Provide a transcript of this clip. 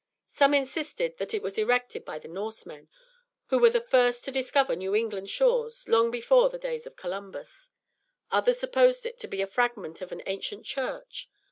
Some insisted that it was erected by the Norsemen, who were the first to discover the New England shores, long before the days of Columbus; others supposed it to be a fragment of an ancient church.